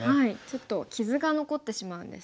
ちょっと傷が残ってしまうんですね。